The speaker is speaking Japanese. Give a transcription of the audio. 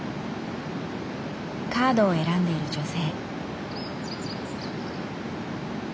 カードを選んでいる女性。